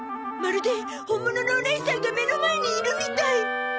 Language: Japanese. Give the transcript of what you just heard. まるで本物のおねいさんが目の前にいるみたい。